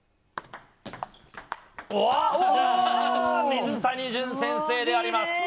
水谷隼、先制であります。